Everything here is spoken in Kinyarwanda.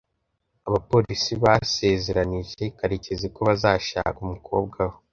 abapolisi basezeranije karekezi ko bazashaka umukobwa we